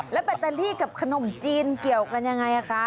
แล้วแบตเตอรี่กับขนมจีนเกี่ยวกันยังไงคะ